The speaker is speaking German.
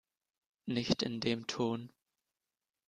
Nicht in dem Ton!